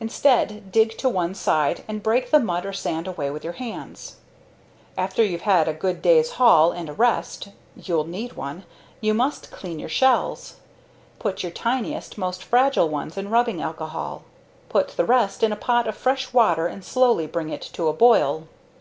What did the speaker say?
Instead, dig to one side, and break the mud or sand away with your hands. After you've had a good day's haul and a rest (you'll need one) you must clean your shells. Put your tiniest, most fragile ones in rubbing alcohol. Put the rest in a pot of fresh water and slowly bring it to a boil.